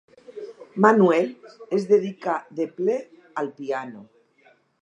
Manuel es dedicà de ple al piano.